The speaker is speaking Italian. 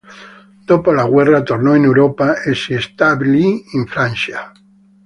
Dopo la guerra tornò in Europa e si stabilì in Francia.